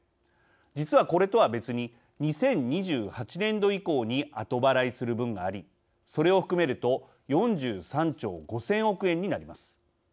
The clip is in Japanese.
実はこれとは別に２０２８年度以降に後払いする分がありそれを含めると４３兆５，０００億円になります。